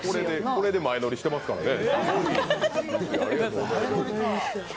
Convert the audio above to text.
これで前乗りしてますからね。